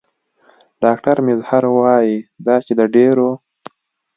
ډاکټر میزهر وايي دا چې د ډېرو